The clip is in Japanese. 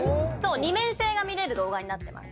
２面性が見れる動画になってます。